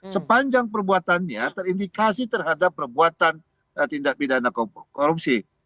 sepanjang perbuatannya terindikasi terhadap perbuatan tindak pidana korupsi